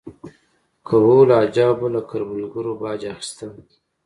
کهول اجاو به له کروندګرو باج اخیسته